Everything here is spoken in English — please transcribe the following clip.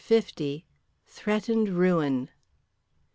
THREATENED RUIN.